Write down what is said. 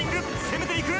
攻めていく。